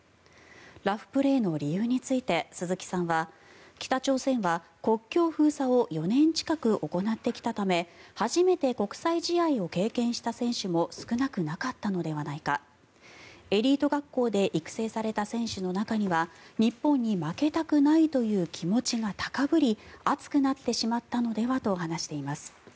ラフプレーの理由について鈴木さんは北朝鮮は国境封鎖を４年近く行ってきたため初めて国際試合を経験した選手も少なくなかったのではないかエリート学校で育成された選手の中には日本に負けたくないという気持ちが高ぶり熱くなってしまったのではと話しています。